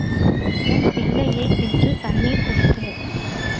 உன் பிள்ளையைத் தின்று தண்ணீர் குடிக்க.